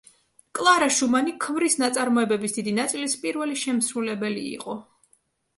კლარა შუმანი ქმრის ნაწარმოებების დიდი ნაწილის პირველი შემსრულებელი იყო.